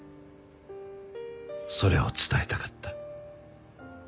それを伝えたかった。